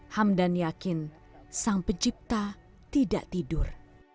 hamdan yakin sang pencipta tidak tidur